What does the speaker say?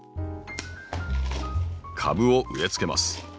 株を植えつけます。